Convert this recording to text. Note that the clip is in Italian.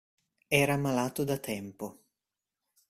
Era malato da tempo.